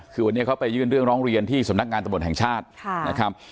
คือวันนี้เขาไปยื่นเรื่องร้องเรียนที่สำนักงานตำรวจแห่งชาตินะครับ